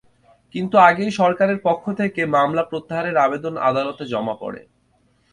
কিন্তু আগেই সরকারের পক্ষ থেকে মামলা প্রত্যাহারের আবেদন আদালতে জমা পড়ে।